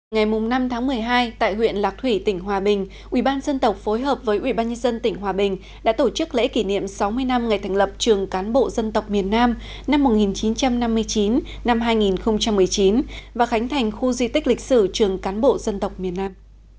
ngày năm tháng một mươi hai tại huyện lạc thủy tỉnh hòa bình ubnd phối hợp với ủy ban nhân dân tỉnh hòa bình đã tổ chức lễ kỷ niệm sáu mươi năm ngày thành lập trường cán bộ dân tộc miền nam năm một nghìn chín trăm năm mươi chín hai nghìn một mươi chín và khánh thành khu di tích lịch sử trường cán bộ dân tộc miền nam